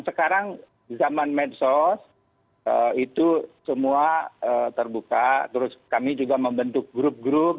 sekarang zaman medsos itu semua terbuka terus kami juga membentuk grup grup